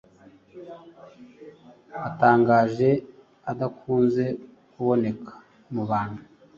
atangaje adakunze kuboneka mu bantu.